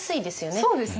そうですね。